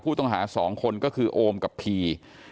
ผู้ต้องหา๒คนก็คือโอมกับพี